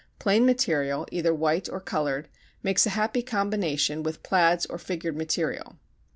Plain material, either white or colored, makes a happy combination with plaids or figured material.